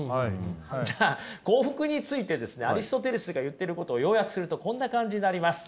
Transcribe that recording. じゃあ幸福についてですねアリストテレスが言ってることを要約するとこんな感じになります。